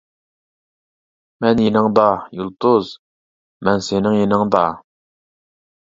مەن يېنىڭدا، يۇلتۇز، مەن سېنىڭ يېنىڭدا.